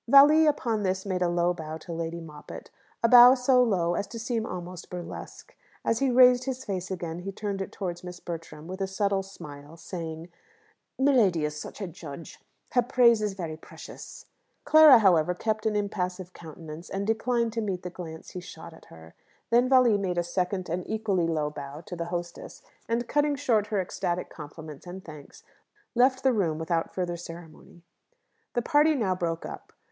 Valli, upon this, made a low bow to Lady Moppett a bow so low as to seem almost burlesque. As he raised his face again he turned it towards Miss Bertram with a subtle smile, saying, "Miladi is such a judge! Her praise is very precious." Clara, however, kept an impassive countenance, and declined to meet the glance he shot at her. Then Valli made a second and equally low bow to the hostess, and, cutting short her ecstatic compliments and thanks, left the room without further ceremony. The party now broke up.